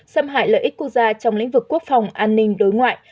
xâm hại lợi ích quốc gia trong lĩnh vực quốc phòng an ninh đối ngoại